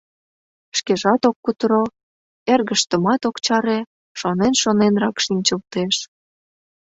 Шкежат ок кутыро, эргыштымат ок чаре, шонен-шоненрак шинчылтеш.